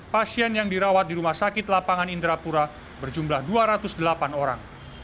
pasien yang dirawat di rumah sakit lapangan indrapura berjumlah dua ratus delapan orang